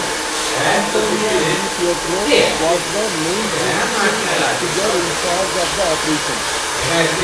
Antonio Di Pietro was the main judicial figure in charge of the operation.